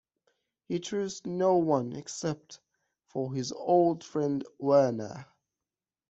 He trusts no one except for his old friend Werner.